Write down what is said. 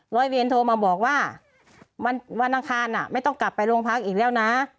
ร้อยเวรโทรมาบอกว่าวันอังคารไม่ต้องกลับไปโรงพักอีกแล้วนะ